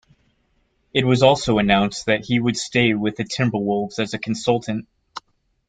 It was also announced that he would stay with the Timberwolves as a consultant.